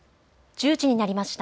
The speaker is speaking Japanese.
１０時になりました。